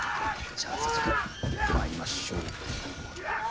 じゃあ早速参りましょう。